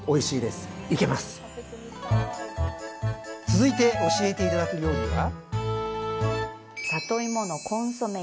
続いて教えて頂く料理は？